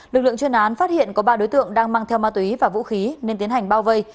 lực lượng chuyên án phát hiện có ba đối tượng đang mang theo ma túy và vũ khí nên tiến hành bao vây